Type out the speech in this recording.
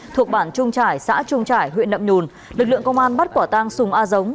thuộc bản trung trải xã trung trải huyện nậm nhùn lực lượng công an bắt quả tang sùng a giống